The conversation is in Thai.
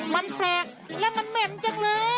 มันแปลกและมันเหม็นจังเลย